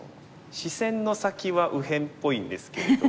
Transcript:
視線の先は右辺っぽいんですけれども。